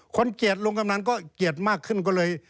เกลียดลุงกำนันก็เกลียดมากขึ้นก็เลย